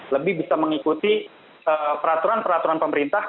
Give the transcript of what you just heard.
lebih bisa mengikuti peraturan peraturan pemerintah